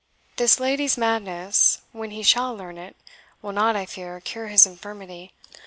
This lady's madness, when he shall learn it, will not, I fear, cure his infirmity.